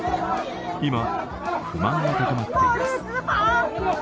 今、不満が高まっています。